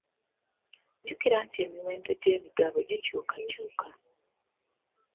Jjukira nti emiwendo gy'emigabo gikyukakyuka.